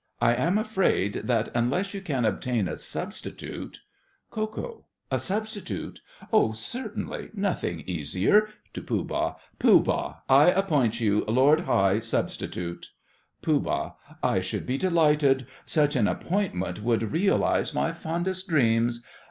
I am afraid that, unless you can obtain a substitute —— KO. A substitute? Oh, certainly—nothing easier. (To Pooh Bah.) Pooh Bah, I appoint you Lord High Substitute. POOH. I should be delighted. Such an appointment would realize my fondest dreams.